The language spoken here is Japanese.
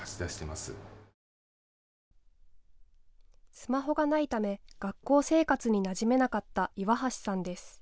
スマホがないため学校生活になじめなかった岩橋さんです。